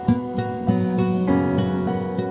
ชื่อนางวุญสงศ์อายุ๕๒ปี